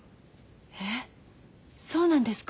えそうなんですか？